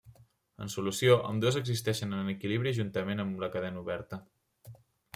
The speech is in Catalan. En solució ambdues existeixen en equilibri juntament amb la cadena oberta.